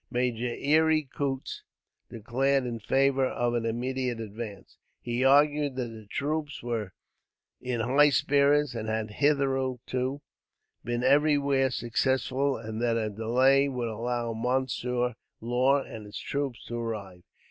Major Eyre Coote declared in favour of an immediate advance. He argued that the troops were in high spirits, and had hitherto been everywhere successful, and that a delay would allow Monsieur Law and his troops to arrive.